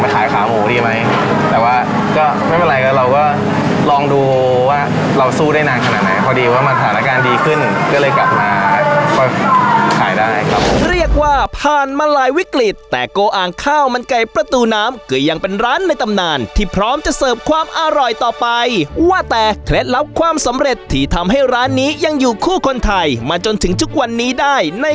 ขายขาหมูดีไหมแต่ว่าก็ไม่เป็นไรแล้วเราก็ลองดูว่าเราสู้ได้นานขนาดไหนพอดีว่ามันสถานการณ์ดีขึ้นก็เลยกลับมาค่อยขายได้ครับเรียกว่าผ่านมาหลายวิกฤตแต่โกอ่างข้าวมันไก่ประตูน้ำก็ยังเป็นร้านในตำนานที่พร้อมจะเสิร์ฟความอร่อยต่อไปว่าแต่เคล็ดลับความสำเร็จที่ทำให้ร้านนี้ยังอยู่คู่คนไทยมาจนถึงทุกวันนี้ได้ใน